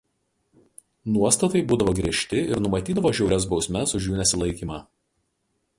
Nuostatai būdavo griežti ir numatydavo žiaurias bausmes už jų nesilaikymą.